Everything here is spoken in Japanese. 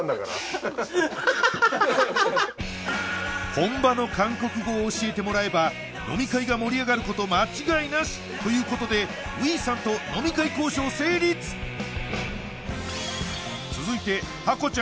本場の韓国語を教えてもらえば飲み会が盛り上がること間違いなしということで魏さんと飲み会交渉成立続いてハコちゃん